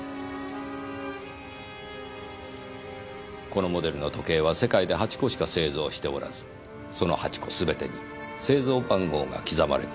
このモデルの時計は世界で８個しか製造しておらずその８個すべてに製造番号が刻まれているとか。